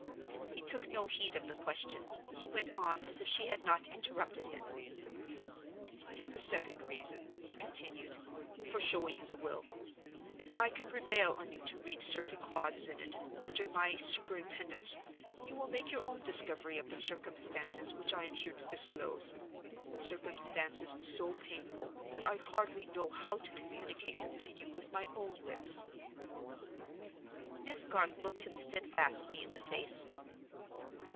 He took no heed of the question; he went on as if she had not interrupted him. "I have a second reason," he continued, "for showing you the will. If I can prevail on you to read certain clauses in it, under my superintendence, you will make your own discovery of the circumstances which I am here to disclose—circumstances so painful that I hardly know how to communicate them to you with my own lips." Miss Garth looked him steadfastly in the face.